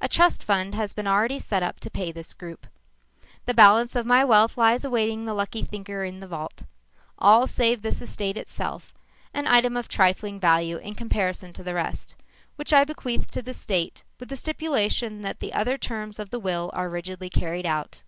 A trust fund has been already set up to pay this group. The balance of my wealth lies awaiting the lucky thinker in the vault all save this estate itself, an item of trifling value in comparison to the rest, which I bequeath to the State with the stipulation that the other terms of the will are rigidly carried out.